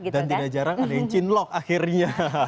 dan tidak jarang ada yang cilok akhirnya